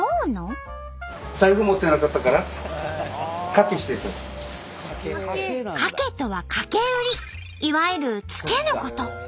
「カケ」とは「掛け売り」いわゆる「ツケ」のこと。